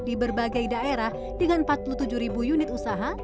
di berbagai daerah dengan empat puluh tujuh ribu unit usaha